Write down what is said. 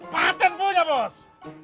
patent punya bos